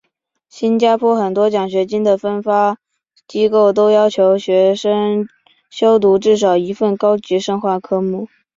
新加坡很多奖学金的颁发机构都要求学生修读至少一份高级深化科目。